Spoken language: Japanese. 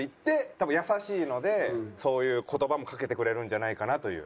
多分優しいのでそういう言葉もかけてくれるんじゃないかなという。